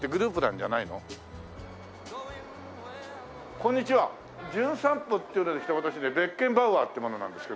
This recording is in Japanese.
『じゅん散歩』っていうので来た私ねベッケンバウアーって者なんですけど。